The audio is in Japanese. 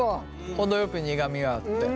程よく苦みがあって。